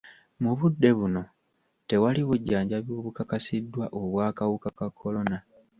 Mu budde buno tewali bujjanjabi bukakasiddwa obw'akawuka ka kolona.